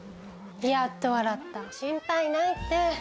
やっと笑った心配ないって。